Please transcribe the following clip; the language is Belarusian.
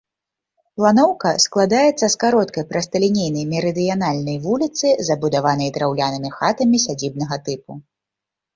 Планоўка складаецца з кароткай прасталінейнай мерыдыянальнай вуліцы, забудаванай драўлянымі хатамі сядзібнага тыпу.